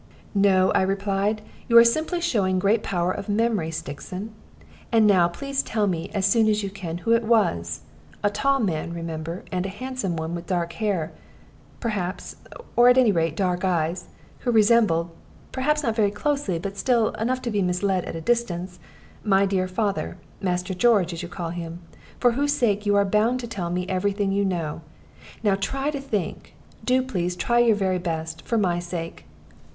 "No," I replied; "you are simply showing great power of memory, Stixon. And now please to tell me, as soon as you can, who it was a tall man, remember, and a handsome one, with dark hair, perhaps, or at any rate dark eyes who resembled (perhaps not very closely, but still enough to mislead at a distance) my dear father Master George, as you call him, for whose sake you are bound to tell me every thing you know. Now try to think do please try your very best, for my sake."